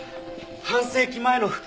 半世紀前の服。